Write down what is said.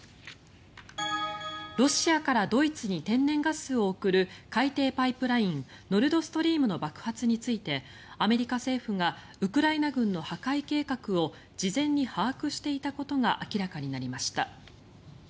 ロシアからドイツに天然ガスを送る海底パイプラインノルド・ストリームの爆発についてアメリカ政府がウクライナ軍の破壊計画を事前に把握していたことが明らかになりました。